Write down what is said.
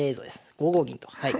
５五銀とはい。